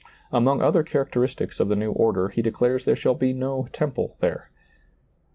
Among other characteristics of the new order he declares there shall be no temple there.